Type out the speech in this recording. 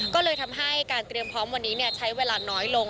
ก็เลยทำให้การเตรียมพร้อมวันนี้ใช้เวลาน้อยลง